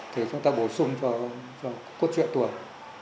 thì chúng ta bổ sung cho cốt truyện tuồng